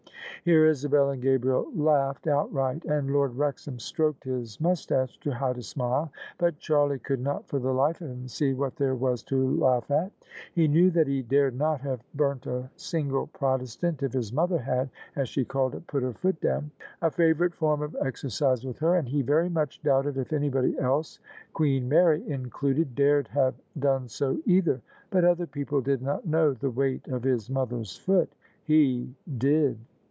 Here Isabel and Gabriel laughed outright, and Lord Wrexham stroked his moustache to hide a smile; but Charlie could not for the life of him see what there was to laugh at. He knew that he dared not have burnt a single Protes [ 103] THE SUBJECTION tant if his mother had, as she called it * put her foot down '— a favourite form of exercise with her; and he very much doubted if anybody else, Queen Mary included, dared have done so either. But other people did not know the weight of his mother's foot. He did.